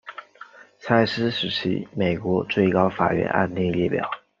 蔡斯时期美国最高法院案例列表